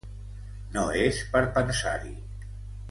No és per pensar-hi.